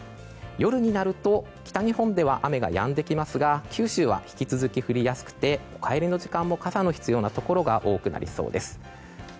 夜になると北日本では雨がやんできますが九州は引き続き降りやすくてお帰りの時間も傘の必要なところ多くなりそうです。